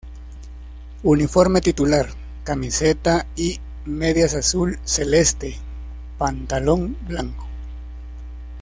Uniforme titular: Camiseta y medias azul celeste, pantalón blanco.